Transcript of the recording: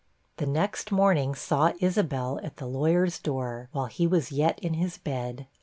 The next morning saw Isabel at the lawyer's door, while he was yet in his bed.